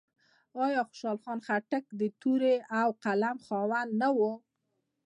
آیا خوشحال خان خټک د تورې او قلم خاوند نه و؟